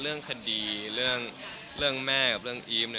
เรื่องคดีเรื่องแม่กับเรื่องอีฟ